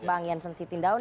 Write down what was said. bang yansen sitindaun